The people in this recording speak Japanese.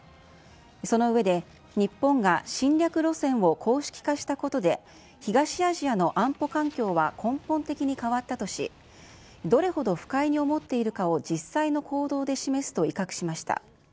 その上で、日本が侵略路線を公式化したことで、東アジアの安保環境は根本的に変わったとし、どれほど不快に思っているかを実際の行動で示すと威嚇しました。